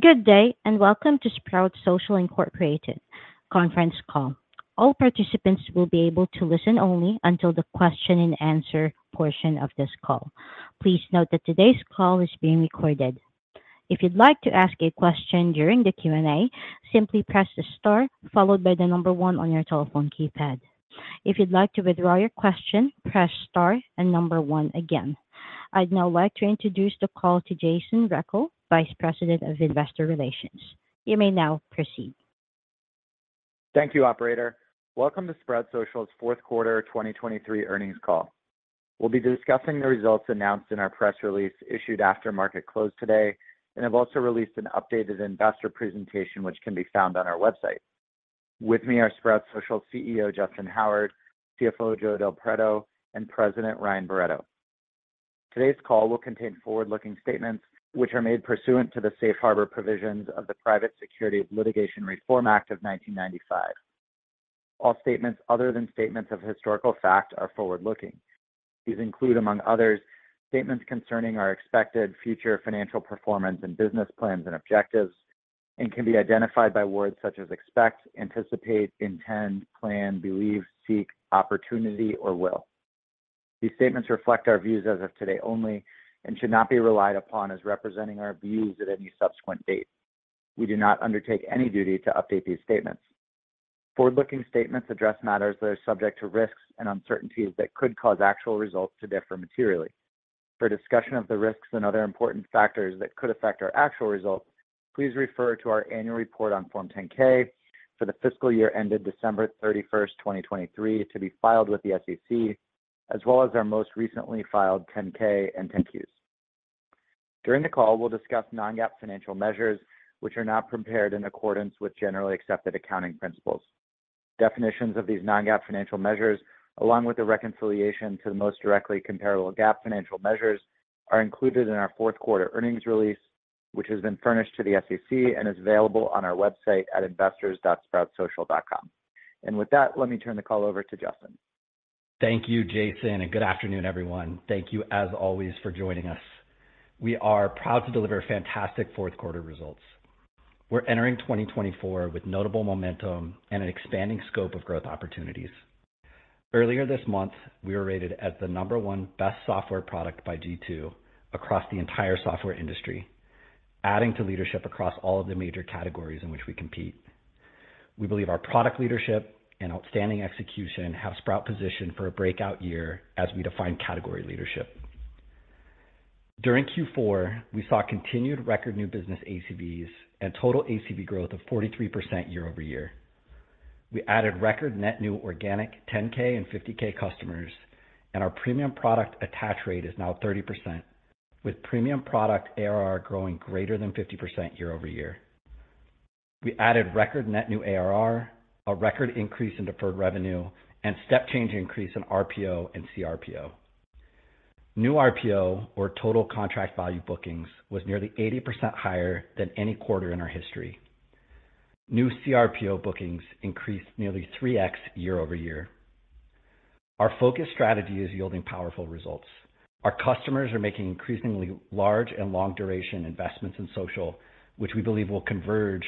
Good day and welcome to Sprout Social Incorporated conference call. All participants will be able to listen only until the question-and-answer portion of this call. Please note that today's call is being recorded. If you'd like to ask a question during the Q&A, simply press the Star followed by the number one on your telephone keypad. If you'd like to withdraw your question, press Star and number one again. I'd now like to introduce the call to Jason Rechel, Vice President of Investor Relations. You may now proceed. Thank you, Operator. Welcome to Sprout Social's fourth quarter 2023 earnings call. We'll be discussing the results announced in our press release issued after market closed today, and have also released an updated investor presentation which can be found on our website. With me are Sprout Social CEO Justyn Howard, CFO Joe Del Preto, and President Ryan Barretto. Today's call will contain forward-looking statements which are made pursuant to the Safe Harbor provisions of the Private Securities Litigation Reform Act of 1995. All statements other than statements of historical fact are forward-looking. These include, among others, statements concerning our expected future financial performance and business plans and objectives, and can be identified by words such as expect, anticipate, intend, plan, believe, seek, opportunity, or will. These statements reflect our views as of today only and should not be relied upon as representing our views at any subsequent date. We do not undertake any duty to update these statements. Forward-looking statements address matters that are subject to risks and uncertainties that could cause actual results to differ materially. For discussion of the risks and other important factors that could affect our actual results, please refer to our annual report on Form 10-K for the fiscal year ended December 31st, 2023, to be filed with the SEC, as well as our most recently filed 10-K and 10-Qs. During the call, we'll discuss non-GAAP financial measures, which are not prepared in accordance with generally accepted accounting principles. Definitions of these non-GAAP financial measures, along with the reconciliation to the most directly comparable GAAP financial measures, are included in our fourth quarter earnings release, which has been furnished to the SEC and is available on our website at investors.sproutsocial.com. And with that, let me turn the call over to Justyn. Thank you, Jason, and good afternoon, everyone. Thank you, as always, for joining us. We are proud to deliver fantastic fourth quarter results. We're entering 2024 with notable momentum and an expanding scope of growth opportunities. Earlier this month, we were rated as the number one best software product by G2 across the entire software industry, adding to leadership across all of the major categories in which we compete. We believe our product leadership and outstanding execution have Sprout positioned for a breakout year as we define category leadership. During Q4, we saw continued record new business ACVs and total ACV growth of 43% year-over-year. We added record net new organic 10-K and 50-K customers, and our premium product attach rate is now 30%, with premium product ARR growing greater than 50% year-over-year. We added record net new ARR, a record increase in deferred revenue, and step-change increase in RPO and CRPO. New RPO, or total contract value bookings, was nearly 80% higher than any quarter in our history. New CRPO bookings increased nearly 3x year-over-year. Our focus strategy is yielding powerful results. Our customers are making increasingly large and long-duration investments in social, which we believe will converge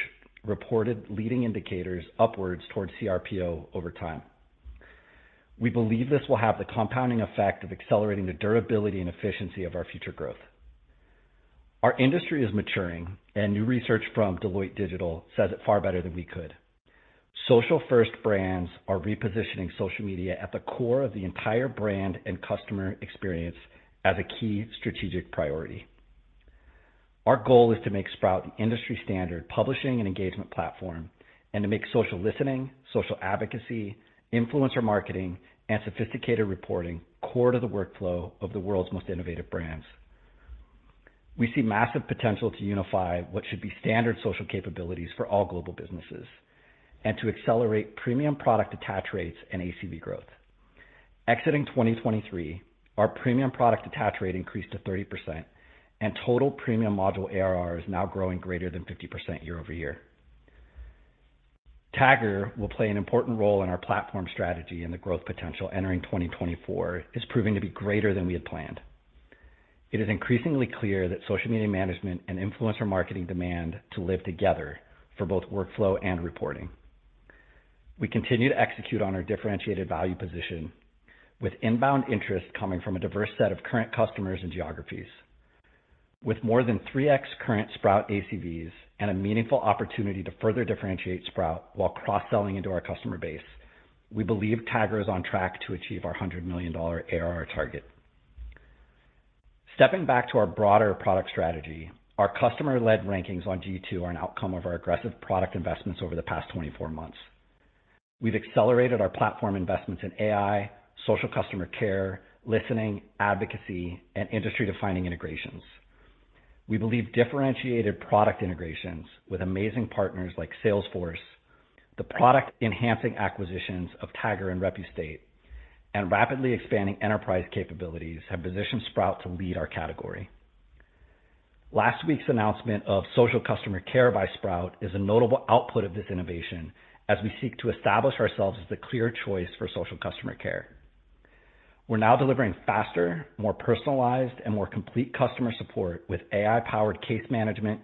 reported leading indicators upwards toward CRPO over time. We believe this will have the compounding effect of accelerating the durability and efficiency of our future growth. Our industry is maturing, and new research from Deloitte Digital says it far better than we could. Social-first brands are repositioning social media at the core of the entire brand and customer experience as a key strategic priority. Our goal is to make Sprout the industry standard publishing and engagement platform and to make social listening, social advocacy, influencer marketing, and sophisticated reporting core to the workflow of the world's most innovative brands. We see massive potential to unify what should be standard social capabilities for all global businesses and to accelerate premium product attach rates and ACV growth. Exiting 2023, our premium product attach rate increased to 30%, and total premium module ARR is now growing greater than 50% year-over-year. Tagger will play an important role in our platform strategy, and the growth potential entering 2024 is proving to be greater than we had planned. It is increasingly clear that social media management and influencer marketing demand to live together for both workflow and reporting. We continue to execute on our differentiated value position, with inbound interest coming from a diverse set of current customers and geographies. With more than 3x current Sprout ACVs and a meaningful opportunity to further differentiate Sprout while cross-selling into our customer base, we believe Tagger is on track to achieve our $100 million ARR target. Stepping back to our broader product strategy, our customer-led rankings on G2 are an outcome of our aggressive product investments over the past 24 months. We've accelerated our platform investments in AI, social customer care, listening, advocacy, and industry-defining integrations. We believe differentiated product integrations with amazing partners like Salesforce, the product-enhancing acquisitions of Tagger and Repustate, and rapidly expanding enterprise capabilities have positioned Sprout to lead our category. Last week's announcement of social customer care by Sprout is a notable output of this innovation as we seek to establish ourselves as the clear choice for social customer care. We're now delivering faster, more personalized, and more complete customer support with AI-powered case management,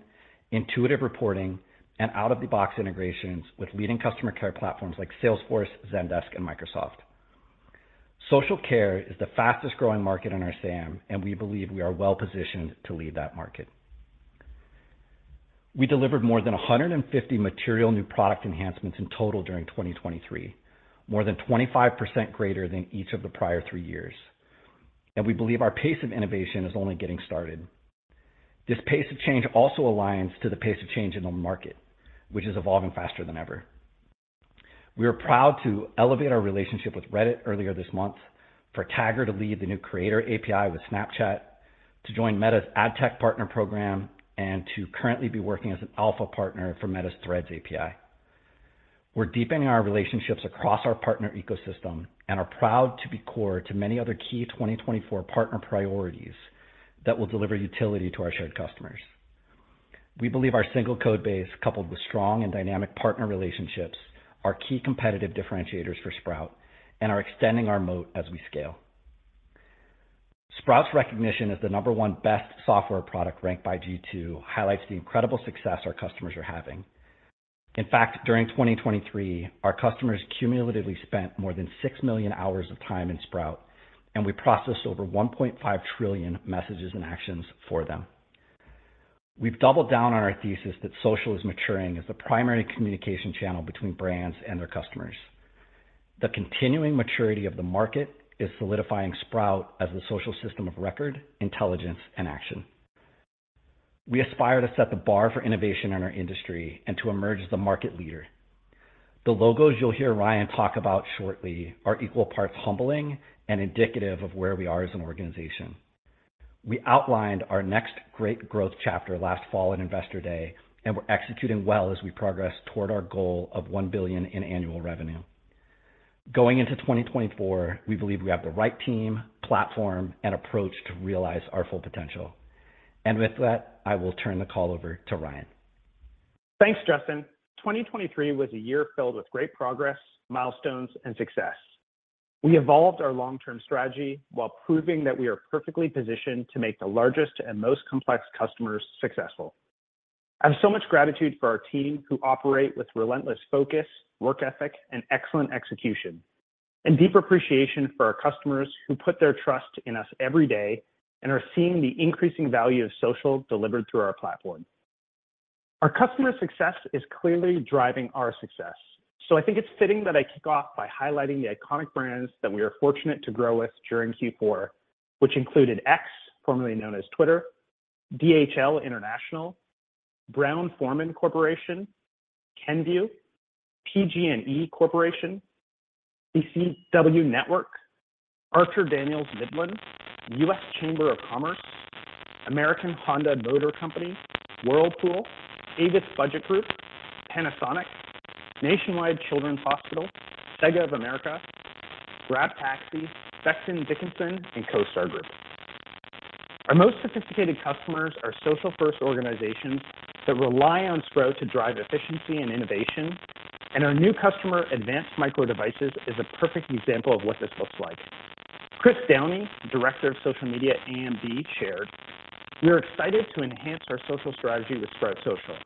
intuitive reporting, and out-of-the-box integrations with leading customer care platforms like Salesforce, Zendesk, and Microsoft. Social care is the fastest-growing market in our SAM, and we believe we are well-positioned to lead that market. We delivered more than 150 material new product enhancements in total during 2023, more than 25% greater than each of the prior three years. We believe our pace of innovation is only getting started. This pace of change also aligns to the pace of change in the market, which is evolving faster than ever. We are proud to elevate our relationship with Reddit earlier this month, for Tagger to lead the new Creator API with Snapchat, to join Meta's AdTech partner program, and to currently be working as an alpha partner for Meta's Threads API. We're deepening our relationships across our partner ecosystem and are proud to be core to many other key 2024 partner priorities that will deliver utility to our shared customers. We believe our single code base, coupled with strong and dynamic partner relationships, are key competitive differentiators for Sprout and are extending our moat as we scale. Sprout's recognition as the number one best software product ranked by G2 highlights the incredible success our customers are having. In fact, during 2023, our customers cumulatively spent more than 6 million hours of time in Sprout, and we processed over 1.5 trillion messages and actions for them. We've doubled down on our thesis that social is maturing as the primary communication channel between brands and their customers. The continuing maturity of the market is solidifying Sprout as the social system of record, intelligence, and action. We aspire to set the bar for innovation in our industry and to emerge as the market leader. The logos you'll hear Ryan talk about shortly are equal parts humbling and indicative of where we are as an organization. We outlined our next great growth chapter last fall at Investor Day, and we're executing well as we progress toward our goal of $1 billion in annual revenue. Going into 2024, we believe we have the right team, platform, and approach to realize our full potential. With that, I will turn the call over to Ryan. Thanks, Justyn. 2023 was a year filled with great progress, milestones, and success. We evolved our long-term strategy while proving that we are perfectly positioned to make the largest and most complex customers successful. I have so much gratitude for our team who operate with relentless focus, work ethic, and excellent execution, and deep appreciation for our customers who put their trust in us every day and are seeing the increasing value of social delivered through our platform. Our customer success is clearly driving our success, so I think it's fitting that I kick off by highlighting the iconic brands that we are fortunate to grow with during Q4, which included X, formerly known as Twitter, DHL International, Brown-Forman Corporation, Kenvue, PG&E Corporation, BCW Network, Archer Daniels Midland, U.S. Chamber of Commerce, American Honda Motor Company, Whirlpool, Avis Budget Group, Panasonic, Nationwide Children's Hospital, SEGA of America, GrabTaxi, Becton Dickinson, and CoStar Group. Our most sophisticated customers are social-first organizations that rely on Sprout to drive efficiency and innovation, and our new customer, Advanced Micro Devices, is a perfect example of what this looks like. Chris Downie, Director of Social Media AMD, shared, "We are excited to enhance our social strategy with Sprout Social.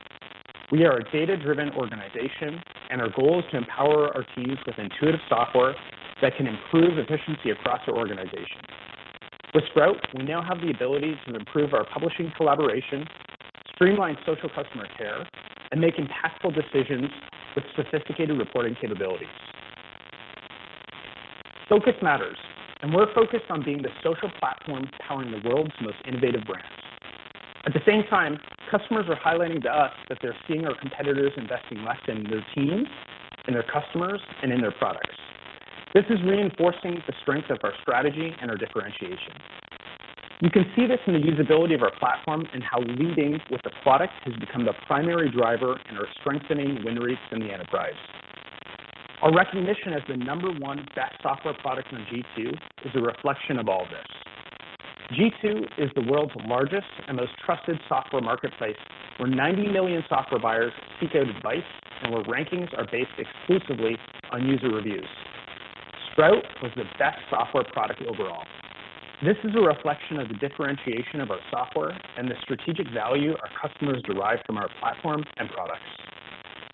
We are a data-driven organization, and our goal is to empower our teams with intuitive software that can improve efficiency across our organization. With Sprout, we now have the ability to improve our publishing collaboration, streamline social customer care, and make impactful decisions with sophisticated reporting capabilities. "Focus matters, and we're focused on being the social platform powering the world's most innovative brands. At the same time, customers are highlighting to us that they're seeing our competitors investing less in their teams, in their customers, and in their products. This is reinforcing the strength of our strategy and our differentiation. You can see this in the usability of our platform and how leading with the product has become the primary driver in our strengthening win rates in the enterprise. Our recognition as the number one best software product on G2 is a reflection of all this. G2 is the world's largest and most trusted software marketplace, where 90 million software buyers seek out advice and where rankings are based exclusively on user reviews. Sprout was the best software product overall. This is a reflection of the differentiation of our software and the strategic value our customers derive from our platform and products.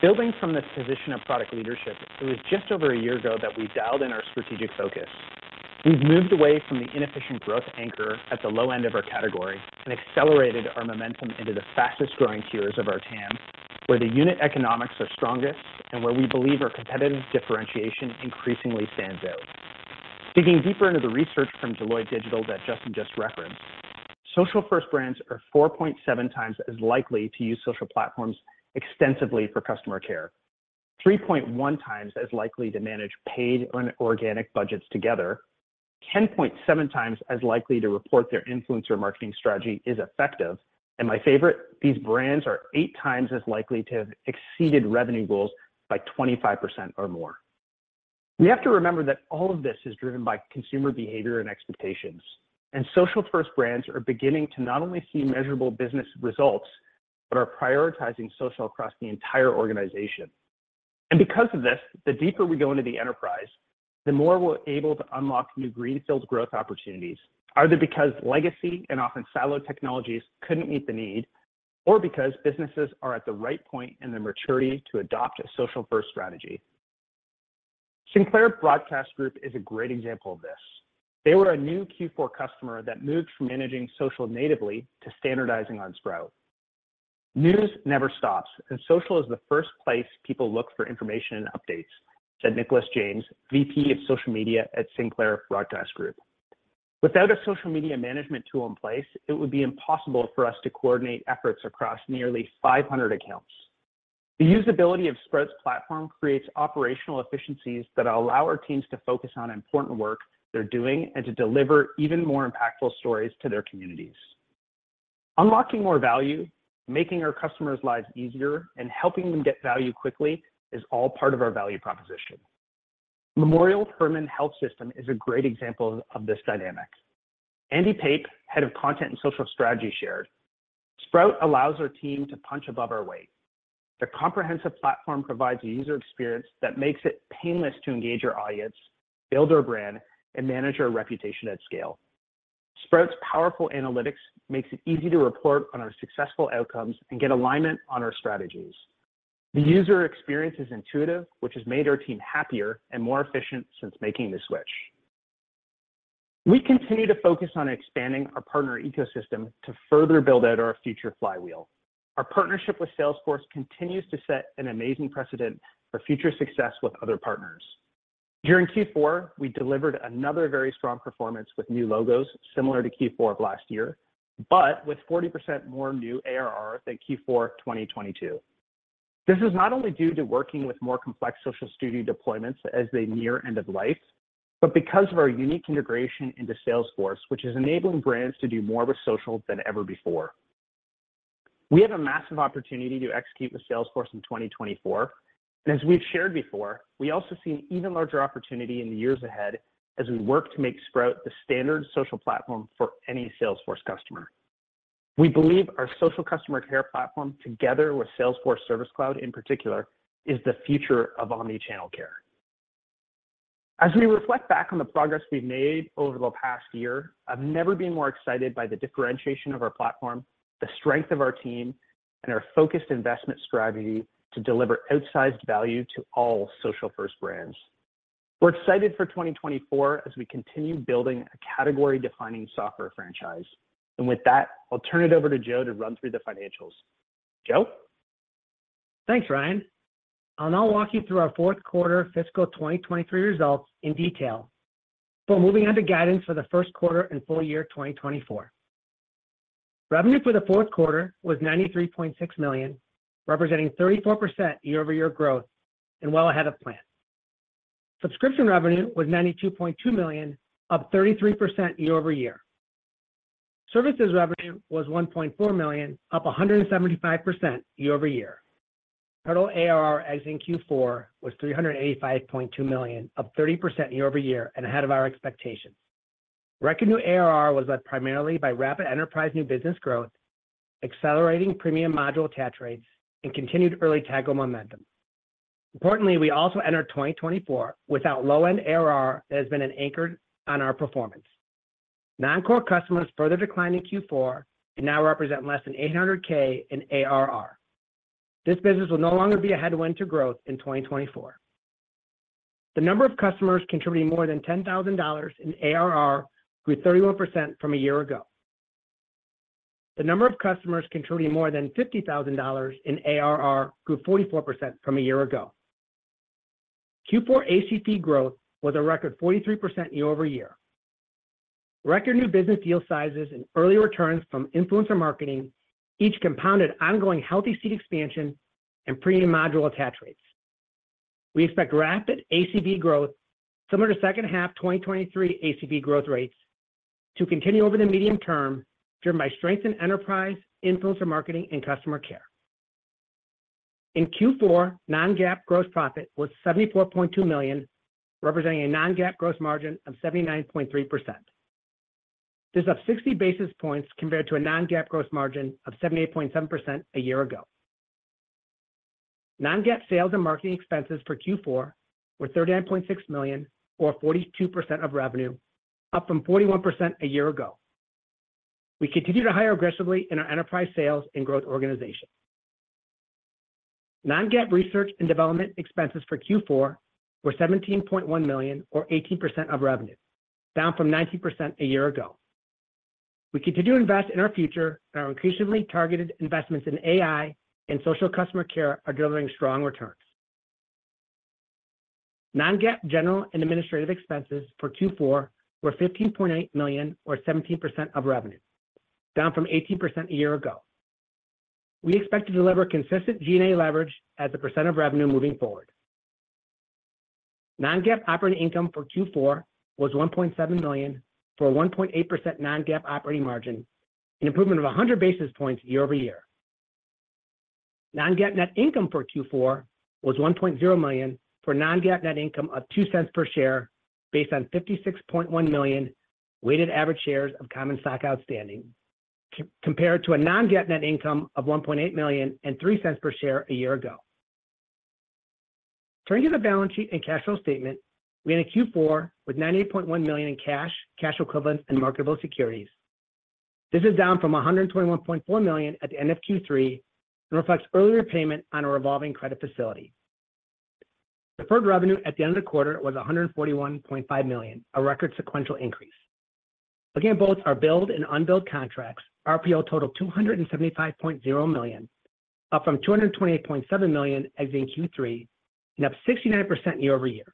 Building from this position of product leadership, it was just over a year ago that we dialed in our strategic focus. We've moved away from the inefficient growth anchor at the low end of our category and accelerated our momentum into the fastest-growing tiers of our TAM, where the unit economics are strongest and where we believe our competitive differentiation increasingly stands out. Digging deeper into the research from Deloitte Digital that Justyn just referenced, social-first brands are 4.7x as likely to use social platforms extensively for customer care, 3.1x as likely to manage paid and organic budgets together, 10.7x as likely to report their influencer marketing strategy is effective, and my favorite, these brands are 8x as likely to have exceeded revenue goals by 25% or more. We have to remember that all of this is driven by consumer behavior and expectations, and social-first brands are beginning to not only see measurable business results but are prioritizing social across the entire organization. Because of this, the deeper we go into the enterprise, the more we're able to unlock new greenfield growth opportunities, either because legacy and often siloed technologies couldn't meet the need or because businesses are at the right point in their maturity to adopt a social-first strategy. Sinclair Broadcast Group is a great example of this. They were a new Q4 customer that moved from managing social natively to standardizing on Sprout. "News never stops, and social is the first place people look for information and updates," said Nicholas James, VP of Social Media at Sinclair Broadcast Group. Without a social media management tool in place, it would be impossible for us to coordinate efforts across nearly 500 accounts. The usability of Sprout's platform creates operational efficiencies that allow our teams to focus on important work they're doing and to deliver even more impactful stories to their communities. Unlocking more value, making our customers' lives easier, and helping them get value quickly is all part of our value proposition. Memorial Hermann Health System is a great example of this dynamic. Andy Pape, Head of Content and Social Strategy, shared, "Sprout allows our team to punch above our weight. The comprehensive platform provides a user experience that makes it painless to engage our audience, build our brand, and manage our reputation at scale. Sprout's powerful analytics makes it easy to report on our successful outcomes and get alignment on our strategies. The user experience is intuitive, which has made our team happier and more efficient since making the switch." We continue to focus on expanding our partner ecosystem to further build out our future flywheel. Our partnership with Salesforce continues to set an amazing precedent for future success with other partners. During Q4, we delivered another very strong performance with new logos similar to Q4 of last year but with 40% more new ARR than Q4 2022. This is not only due to working with more complex social studio deployments as they near end of life but because of our unique integration into Salesforce, which is enabling brands to do more with social than ever before. We have a massive opportunity to execute with Salesforce in 2024, and as we've shared before, we also see an even larger opportunity in the years ahead as we work to make Sprout the standard social platform for any Salesforce customer. We believe our social customer care platform, together with Salesforce Service Cloud in particular, is the future of omnichannel care. As we reflect back on the progress we've made over the past year, I've never been more excited by the differentiation of our platform, the strength of our team, and our focused investment strategy to deliver outsized value to all social-first brands. We're excited for 2024 as we continue building a category-defining software franchise. With that, I'll turn it over to Joe to run through the financials. Joe? Thanks, Ryan. I'll now walk you through our fourth quarter fiscal 2023 results in detail before moving on to guidance for the first quarter and full year 2024. Revenue for the fourth quarter was $93.6 million, representing 34% year-over-year growth and well ahead of plan. Subscription revenue was $92.2 million, up 33% year-over-year. Services revenue was $1.4 million, up 175% year-over-year. Total ARR exiting Q4 was $385.2 million, up 30% year-over-year and ahead of our expectations. Recognized ARR was led primarily by rapid enterprise new business growth, accelerating premium module attach rates, and continued early Tagger momentum. Importantly, we also entered 2024 without low-end ARR that has been an anchor on our performance. Non-core customers further declined in Q4 and now represent less than $800K in ARR. This business will no longer be a headwind to growth in 2024. The number of customers contributing more than $10,000 in ARR grew 31% from a year ago. The number of customers contributing more than $50,000 in ARR grew 44% from a year ago. Q4 ACV growth was a record 43% year-over-year. Record new business deal sizes and early returns from influencer marketing each compounded ongoing healthy seed expansion and premium module attach rates. We expect rapid ACV growth, similar to second half 2023 ACV growth rates, to continue over the medium term driven by strength in enterprise, influencer marketing, and customer care. In Q4, non-GAAP gross profit was $74.2 million, representing a non-GAAP gross margin of 79.3%. This is up 60 basis points compared to a non-GAAP gross margin of 78.7% a year ago. Non-GAAP sales and marketing expenses for Q4 were $39.6 million, or 42% of revenue, up from 41% a year ago. We continue to hire aggressively in our enterprise sales and growth organization. Non-GAAP research and development expenses for Q4 were $17.1 million, or 18% of revenue, down from 19% a year ago. We continue to invest in our future, and our increasingly targeted investments in AI and social customer care are delivering strong returns. Non-GAAP general and administrative expenses for Q4 were $15.8 million, or 17% of revenue, down from 18% a year ago. We expect to deliver consistent G&A leverage as a percent of revenue moving forward. Non-GAAP operating income for Q4 was $1.7 million for a 1.8% non-GAAP operating margin, an improvement of 100 basis points year-over-year. Non-GAAP net income for Q4 was $1.0 million for a non-GAAP net income of $0.02 per share based on 56.1 million weighted average shares of common stock outstanding compared to a non-GAAP net income of $1.8 million and $0.03 per share a year ago. Turning to the balance sheet and cash flow statement, we ended Q4 with $98.1 million in cash, cash equivalents, and marketable securities. This is down from $121.4 million at the end of Q3 and reflects earlier payment on a revolving credit facility. Deferred revenue at the end of the quarter was $141.5 million, a record sequential increase. Again, both our billed and unbilled contracts, RPO, totaled $275.0 million, up from $228.7 million exiting Q3 and up 69% year-over-year.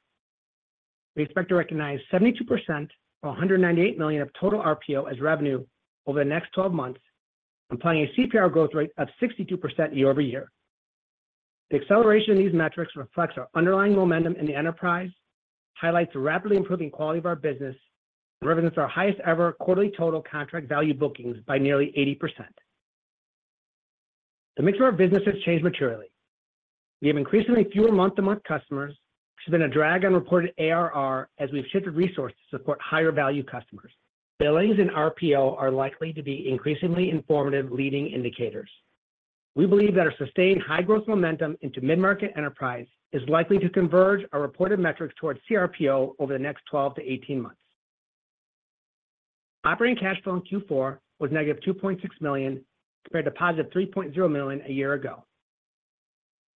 We expect to recognize 72% of $198 million of total RPO as revenue over the next 12 months, implying a CRPO growth rate of 62% year-over-year. The acceleration in these metrics reflects our underlying momentum in the enterprise, highlights the rapidly improving quality of our business, and represents our highest-ever quarterly total contract value bookings by nearly 80%. The mix of our business has changed materially. We have increasingly fewer month-to-month customers, which has been a drag on reported ARR as we've shifted resources to support higher-value customers. Billings and RPO are likely to be increasingly informative leading indicators. We believe that our sustained high-growth momentum into mid-market enterprise is likely to converge our reported metrics towards CRPO over the next 12 to 18 months. Operating cash flow in Q4 was negative $2.6 million compared to positive $3.0 million a year ago.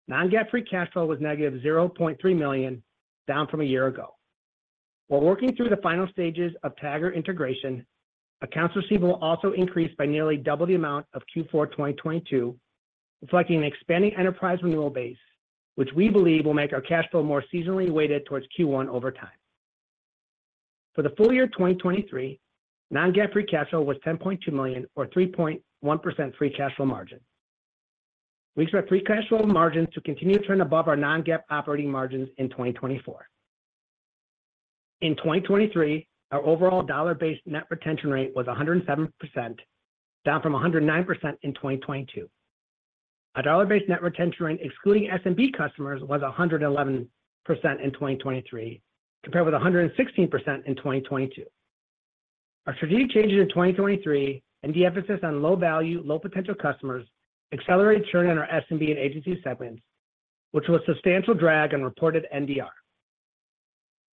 Non-GAAP free cash flow was negative $0.3 million, down from a year ago. While working through the final stages of Tagger integration, accounts receivable also increased by nearly double the amount of Q4 2022, reflecting an expanding enterprise renewal base, which we believe will make our cash flow more seasonally weighted towards Q1 over time. For the full year 2023, non-GAAP free cash flow was $10.2 million, or 3.1% free cash flow margin. We expect free cash flow margins to continue to turn above our non-GAAP operating margins in 2024. In 2023, our overall dollar-based net retention rate was 107%, down from 109% in 2022. Our dollar-based net retention rate excluding SMB customers was 111% in 2023 compared with 116% in 2022. Our strategic changes in 2023 and the emphasis on low-value, low-potential customers accelerated churn in our SMB and agency segments, which was a substantial drag on reported NDR.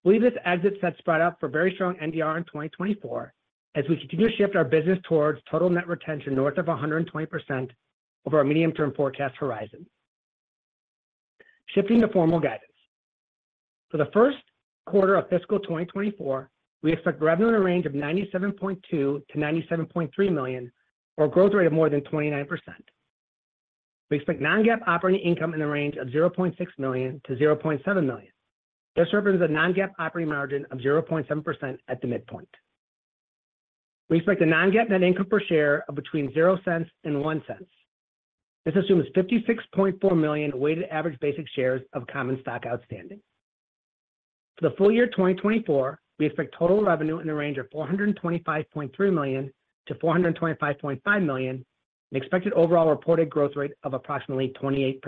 We believe this exit sets Sprout out for very strong NDR in 2024 as we continue to shift our business towards total net retention north of 120% over our medium-term forecast horizon. Shifting to formal guidance. For the first quarter of fiscal 2024, we expect revenue in the range of $97.2 million-$97.3 million, or a growth rate of more than 29%. We expect non-GAAP operating income in the range of $0.6 million-$0.7 million. This represents a non-GAAP operating margin of 0.7% at the midpoint. We expect a non-GAAP net income per share of between $0 and 0.01. This assumes 56.4 million weighted average basic shares of common stock outstanding. For the full year 2024, we expect total revenue in the range of $425.3 million-$425.5 million, an expected overall reported growth rate of approximately 28%.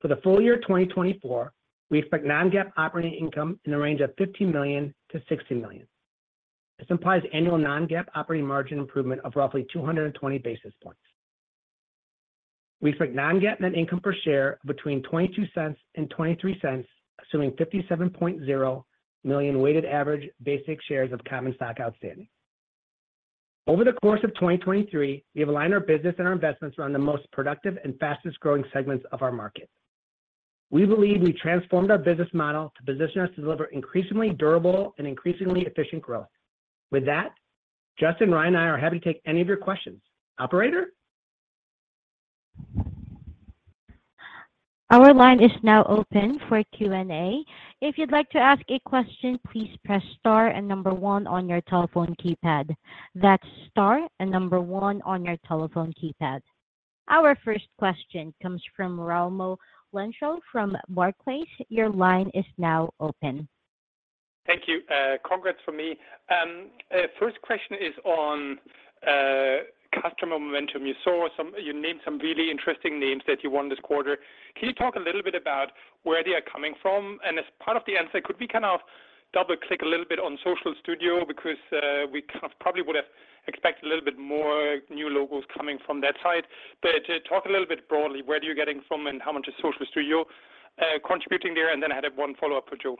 For the full year 2024, we expect non-GAAP operating income in the range of $15 million-$60 million. This implies annual non-GAAP operating margin improvement of roughly 220 basis points. We expect non-GAAP net income per share of between $0.22 and $0.23, assuming 57.0 million weighted average basic shares of common stock outstanding. Over the course of 2023, we have aligned our business and our investments around the most productive and fastest-growing segments of our market. We believe we've transformed our business model to position us to deliver increasingly durable and increasingly efficient growth. With that, Justyn, Ryan, and I are happy to take any of your questions. Operator? Our line is now open for Q&A. If you'd like to ask a question, please press Star and number one on your telephone keypad. That's star and number one on your telephone keypad. Our first question comes from Raimo Lenschow from Barclays. Your line is now open. Thank you. Congrats from me. First question is on customer momentum. You named some really interesting names that you want this quarter. Can you talk a little bit about where they are coming from? And as part of the answer, could we kind of double-click a little bit on Social Studio because we kind of probably would have expected a little bit more new logos coming from that side? But talk a little bit broadly. Where are you getting from and how much is Social Studio contributing there? And then I had one follow-up for Joe.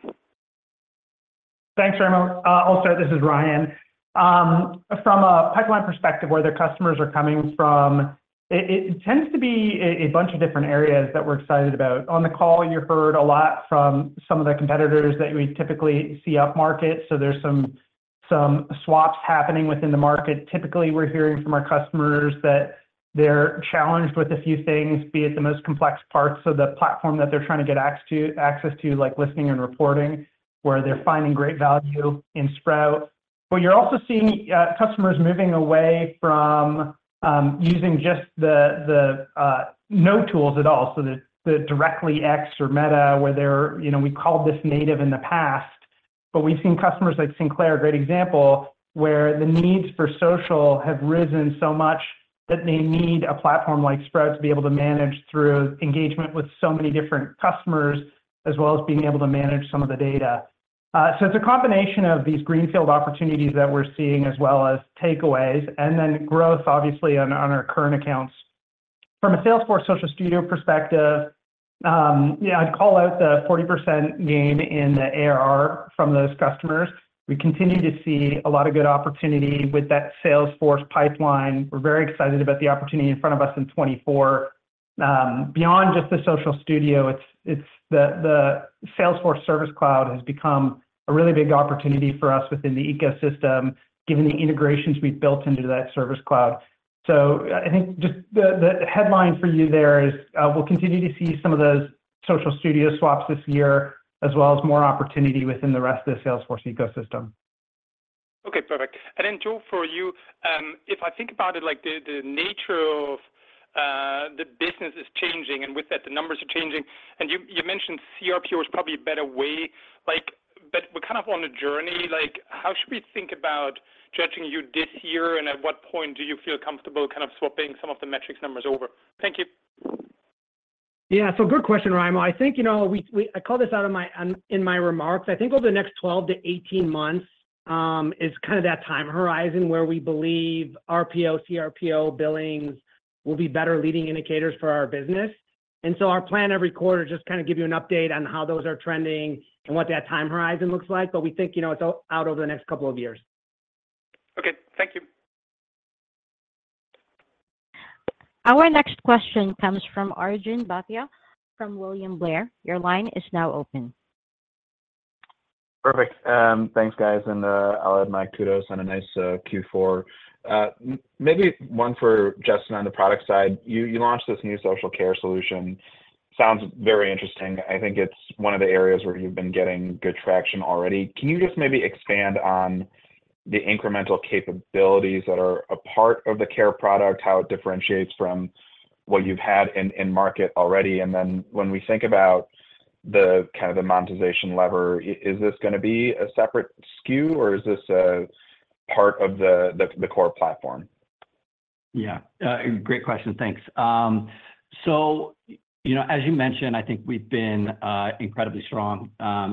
Thanks, Raimo. Also, this is Ryan. From a pipeline perspective, where their customers are coming from, it tends to be a bunch of different areas that we're excited about. On the call, you heard a lot from some of the competitors that we typically see upmarket. So there's some swaps happening within the market. Typically, we're hearing from our customers that they're challenged with a few things, be it the most complex parts of the platform that they're trying to get access to, like listening and reporting, where they're finding great value in Sprout. But you're also seeing customers moving away from using just X directly or Meta, where we called this native in the past. But we've seen customers like Sinclair, a great example, where the needs for social have risen so much that they need a platform like Sprout to be able to manage through engagement with so many different customers, as well as being able to manage some of the data. So it's a combination of these greenfield opportunities that we're seeing, as well as takeaways, and then growth, obviously, on our current accounts. From a Salesforce Social Studio perspective, I'd call out the 40% gain in the ARR from those customers. We continue to see a lot of good opportunity with that Salesforce pipeline. We're very excited about the opportunity in front of us in 2024. Beyond just the Social Studio, the Salesforce Service Cloud has become a really big opportunity for us within the ecosystem, given the integrations we've built into that Service Cloud. I think just the headline for you there is we'll continue to see some of those Social Studio swaps this year, as well as more opportunity within the rest of the Salesforce ecosystem. Okay. Perfect. And then, Joe, for you, if I think about it, the nature of the business is changing, and with that, the numbers are changing. And you mentioned CRPO is probably a better way. But we're kind of on a journey. How should we think about judging you this year, and at what point do you feel comfortable kind of swapping some of the metrics numbers over? Thank you. Yeah. So good question, Raimo. I think I call this out in my remarks. I think over the next 12-18 months is kind of that time horizon where we believe RPO, CRPO, billings will be better leading indicators for our business. And so our plan every quarter is just kind of give you an update on how those are trending and what that time horizon looks like. But we think it's out over the next couple of years. Okay. Thank you. Our next question comes from Arjun Bhatia from William Blair. Your line is now open. Perfect. Thanks, guys. And I'll add my kudos on a nice Q4. Maybe one for Justyn on the product side. You launched this new social care solution. Sounds very interesting. I think it's one of the areas where you've been getting good traction already. Can you just maybe expand on the incremental capabilities that are a part of the care product, how it differentiates from what you've had in market already? And then when we think about kind of the monetization lever, is this going to be a separate SKU, or is this a part of the core platform? Yeah. Great question. Thanks. So as you mentioned, I think we've been incredibly strong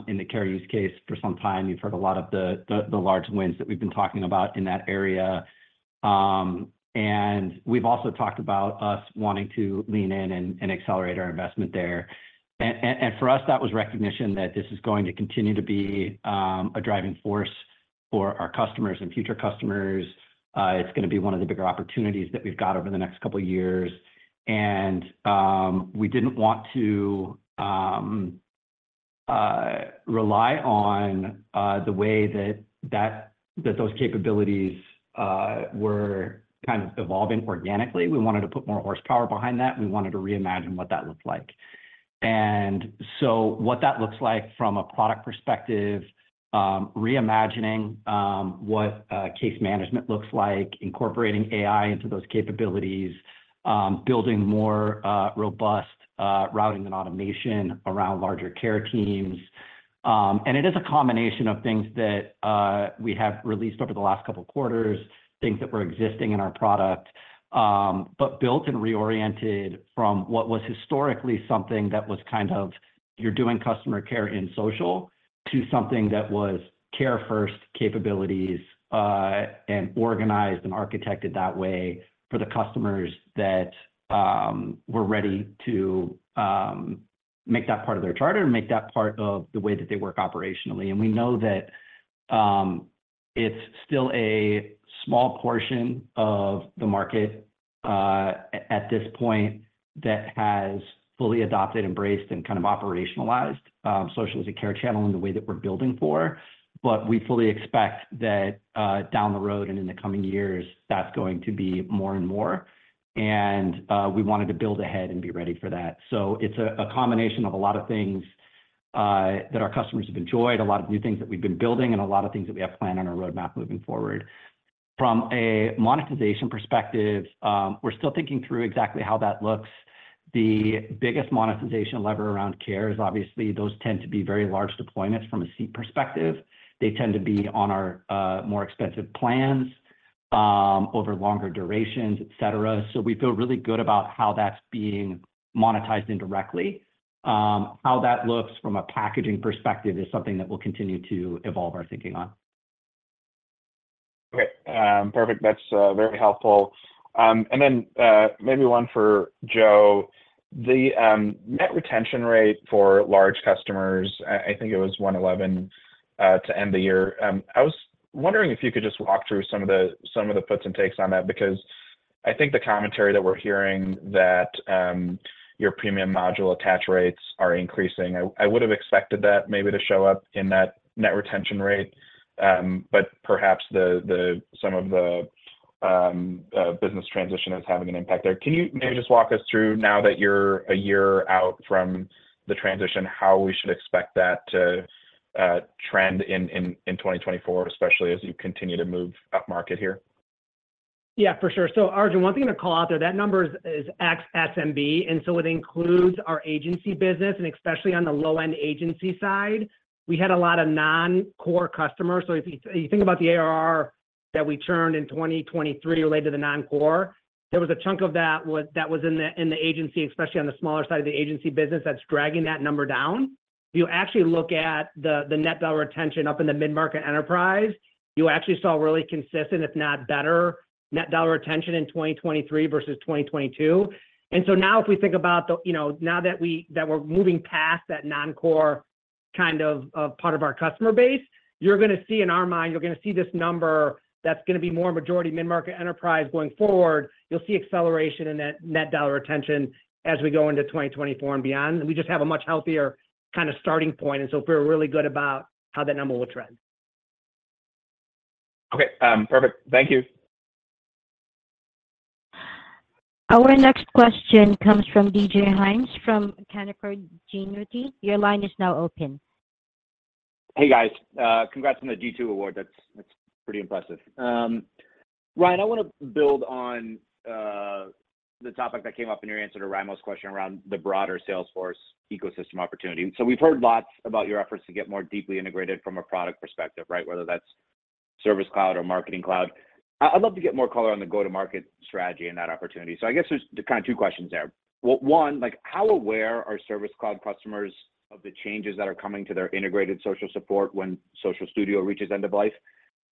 in the care use case for some time. You've heard a lot of the large wins that we've been talking about in that area. And we've also talked about us wanting to lean in and accelerate our investment there. And for us, that was recognition that this is going to continue to be a driving force for our customers and future customers. It's going to be one of the bigger opportunities that we've got over the next couple of years. And we didn't want to rely on the way that those capabilities were kind of evolving organically. We wanted to put more horsepower behind that. We wanted to reimagine what that looked like. So what that looks like from a product perspective, reimagining what case management looks like, incorporating AI into those capabilities, building more robust routing and automation around larger care teams. It is a combination of things that we have released over the last couple of quarters, things that were existing in our product, but built and reoriented from what was historically something that was kind of you're doing customer care in social to something that was care-first capabilities and organized and architected that way for the customers that were ready to make that part of their charter and make that part of the way that they work operationally. We know that it's still a small portion of the market at this point that has fully adopted, embraced, and kind of operationalized social as a care channel in the way that we're building for. But we fully expect that down the road and in the coming years, that's going to be more and more. And we wanted to build ahead and be ready for that. So it's a combination of a lot of things that our customers have enjoyed, a lot of new things that we've been building, and a lot of things that we have planned on our roadmap moving forward. From a monetization perspective, we're still thinking through exactly how that looks. The biggest monetization lever around care is obviously those tend to be very large deployments from a seat perspective. They tend to be on our more expensive plans over longer durations, etc. So we feel really good about how that's being monetized indirectly. How that looks from a packaging perspective is something that we'll continue to evolve our thinking on. Okay. Perfect. That's very helpful. And then maybe one for Joe. The net retention rate for large customers, I think it was 111 to end the year. I was wondering if you could just walk through some of the puts and takes on that because I think the commentary that we're hearing that your premium module attach rates are increasing. I would have expected that maybe to show up in that net retention rate, but perhaps some of the business transition is having an impact there. Can you maybe just walk us through, now that you're a year out from the transition, how we should expect that to trend in 2024, especially as you continue to move upmarket here? Yeah, for sure. So Arjun, one thing to call out there, that number is SMB. And so it includes our agency business, and especially on the low-end agency side, we had a lot of non-core customers. So if you think about the ARR that we churned in 2023 related to the non-core, there was a chunk of that that was in the agency, especially on the smaller side of the agency business that's dragging that number down. If you actually look at the net dollar retention up in the mid-market enterprise, you actually saw really consistent, if not better, net dollar retention in 2023 versus 2022. And so now if we think about now that we're moving past that non-core kind of part of our customer base, you're going to see in our mind, you're going to see this number that's going to be more majority mid-market enterprise going forward. You'll see acceleration in that net dollar retention as we go into 2024 and beyond. And we just have a much healthier kind of starting point. And so if we're really good about how that number will trend. Okay. Perfect. Thank you. Our next question comes from DJ Hynes from Canaccord Genuity. Your line is now open. Hey, guys. Congrats on the G2 award. That's pretty impressive. Ryan, I want to build on the topic that came up in your answer to Raimo's question around the broader Salesforce ecosystem opportunity. So we've heard lots about your efforts to get more deeply integrated from a product perspective, right, whether that's Service Cloud or Marketing Cloud. I'd love to get more color on the go-to-market strategy and that opportunity. So I guess there's kind of two questions there. One, how aware are Service Cloud customers of the changes that are coming to their integrated social support when Social Studio reaches end of life?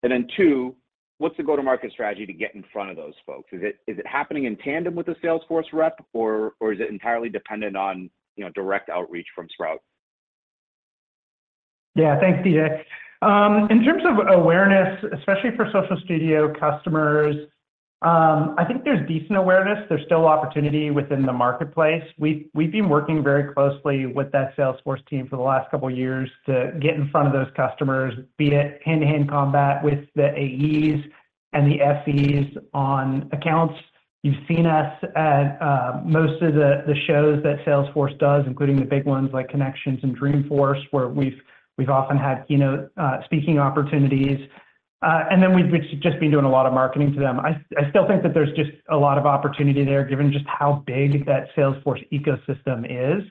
And then two, what's the go-to-market strategy to get in front of those folks? Is it happening in tandem with the Salesforce rep, or is it entirely dependent on direct outreach from Sprout? Yeah. Thanks, DJ. In terms of awareness, especially for Salesforce Social Studio customers, I think there's decent awareness. There's still opportunity within the marketplace. We've been working very closely with that Salesforce team for the last couple of years to get in front of those customers, be it hand-to-hand combat with the AEs and the SEs on accounts. You've seen us at most of the shows that Salesforce does, including the big ones like Connections and Dreamforce, where we've often had keynote speaking opportunities. And then we've just been doing a lot of marketing to them. I still think that there's just a lot of opportunity there, given just how big that Salesforce ecosystem is.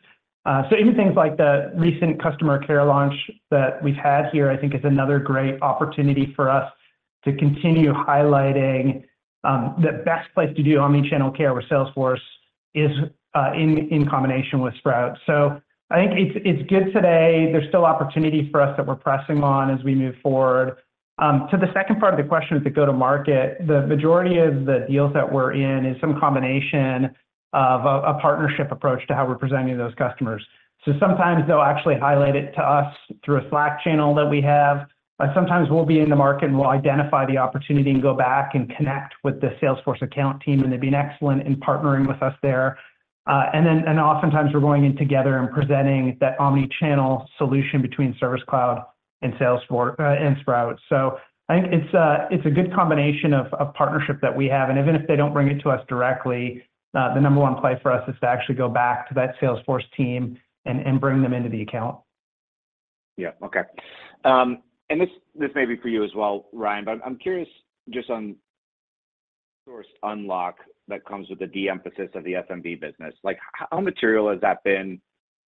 So even things like the recent customer care launch that we've had here, I think, is another great opportunity for us to continue highlighting the best place to do omnichannel care with Salesforce is in combination with Sprout. So I think it's good today. There's still opportunity for us that we're pressing on as we move forward. To the second part of the question with the go-to-market, the majority of the deals that we're in is some combination of a partnership approach to how we're presenting those customers. So sometimes they'll actually highlight it to us through a Slack channel that we have. Sometimes we'll be in the market and we'll identify the opportunity and go back and connect with the Salesforce account team, and they've been excellent in partnering with us there. And then oftentimes, we're going in together and presenting that omnichannel solution between Service Cloud and Sprout. I think it's a good combination of partnership that we have. Even if they don't bring it to us directly, the number one play for us is to actually go back to that Salesforce team and bring them into the account. Yeah. Okay. And this may be for you as well, Ryan, but I'm curious just on resource unlock that comes with the de-emphasis of the SMB business. How material has that been?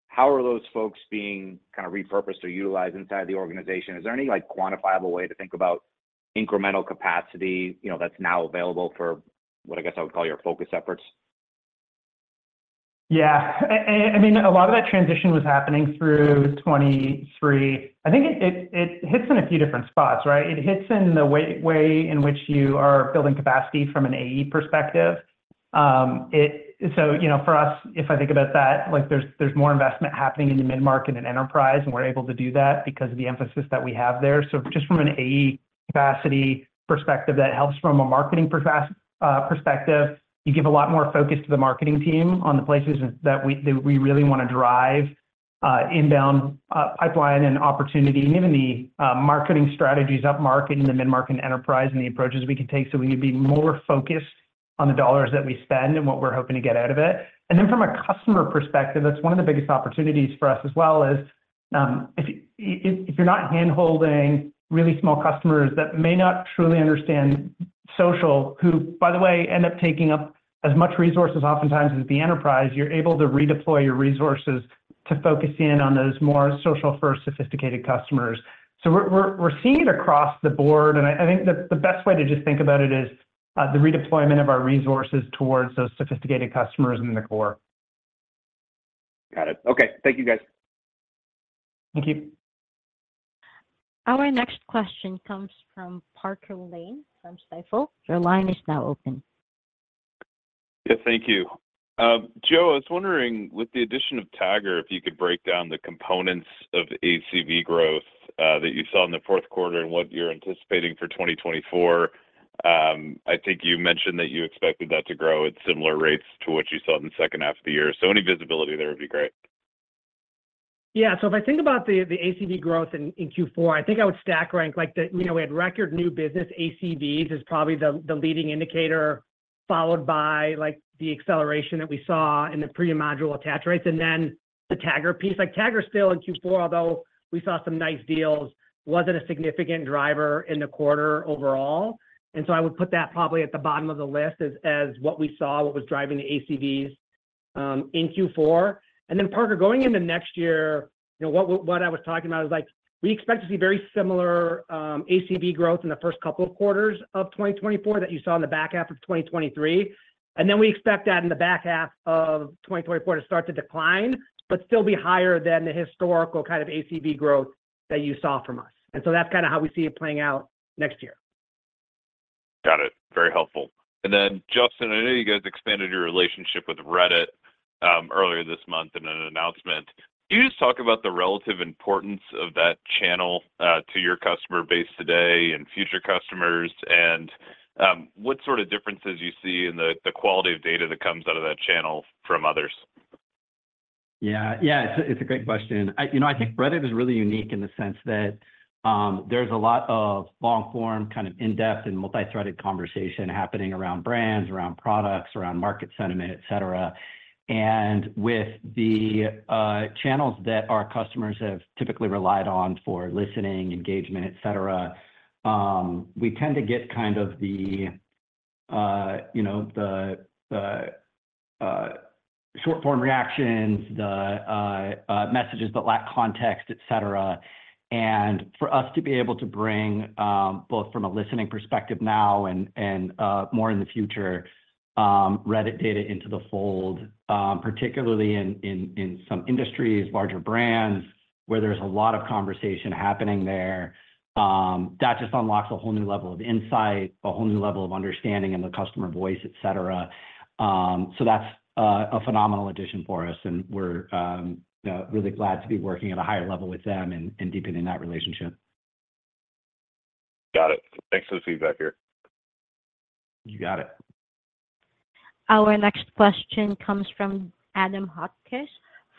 How are those folks being kind of repurposed or utilized inside of the organization? Is there any quantifiable way to think about incremental capacity that's now available for what I guess I would call your focus efforts? Yeah. I mean, a lot of that transition was happening through 2023. I think it hits in a few different spots, right? It hits in the way in which you are building capacity from an AE perspective. So for us, if I think about that, there's more investment happening in the mid-market and enterprise, and we're able to do that because of the emphasis that we have there. So just from an AE capacity perspective, that helps from a marketing perspective. You give a lot more focus to the marketing team on the places that we really want to drive inbound pipeline and opportunity, and even the marketing strategies upmarket in the mid-market and enterprise and the approaches we can take so we can be more focused on the dollars that we spend and what we're hoping to get out of it. Then from a customer perspective, that's one of the biggest opportunities for us as well, is if you're not handholding really small customers that may not truly understand social, who, by the way, end up taking up as much resources oftentimes as the enterprise, you're able to redeploy your resources to focus in on those more social-first sophisticated customers. We're seeing it across the board. I think the best way to just think about it is the redeployment of our resources towards those sophisticated customers in the core. Got it. Okay. Thank you, guys. Thank you. Our next question comes from Parker Lane from Stifel. Your line is now open. Yeah. Thank you. Joe, I was wondering, with the addition of Tagger, if you could break down the components of ACV growth that you saw in the fourth quarter and what you're anticipating for 2024. I think you mentioned that you expected that to grow at similar rates to what you saw in the second half of the year. So any visibility there would be great. Yeah. So if I think about the ACV growth in Q4, I think I would stack rank. We had record new business. ACVs is probably the leading indicator, followed by the acceleration that we saw in the premium module attach rates. And then the Tagger piece. Tagger still in Q4, although we saw some nice deals, wasn't a significant driver in the quarter overall. And so I would put that probably at the bottom of the list as what we saw, what was driving the ACVs in Q4. And then Parker, going into next year, what I was talking about is we expect to see very similar ACV growth in the first couple of quarters of 2024 that you saw in the back half of 2023. Then we expect that in the back half of 2024 to start to decline, but still be higher than the historical kind of ACV growth that you saw from us. So that's kind of how we see it playing out next year. Got it. Very helpful. And then, Justyn, I know you guys expanded your relationship with Reddit earlier this month in an announcement. Can you just talk about the relative importance of that channel to your customer base today and future customers, and what sort of differences you see in the quality of data that comes out of that channel from others? Yeah. Yeah. It's a great question. I think Reddit is really unique in the sense that there's a lot of long-form kind of in-depth and multi-threaded conversation happening around brands, around products, around market sentiment, etc. And with the channels that our customers have typically relied on for listening, engagement, etc., we tend to get kind of the short-form reactions, the messages that lack context, etc. And for us to be able to bring both from a listening perspective now and more in the future Reddit data into the fold, particularly in some industries, larger brands, where there's a lot of conversation happening there, that just unlocks a whole new level of insight, a whole new level of understanding in the customer voice, etc. So that's a phenomenal addition for us, and we're really glad to be working at a higher level with them and deepening that relationship. Got it. Thanks for the feedback here. You got it. Our next question comes from Adam Hotchkiss